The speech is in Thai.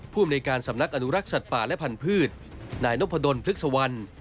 อำนวยการสำนักอนุรักษ์สัตว์ป่าและพันธุ์นายนพดลพฤกษวรรณ